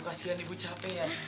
kasian ibu capek ya